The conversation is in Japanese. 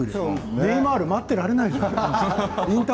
ネイマール待ってられないでしょう。